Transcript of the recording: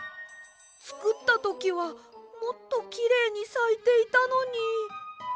つくったときはもっときれいにさいていたのに。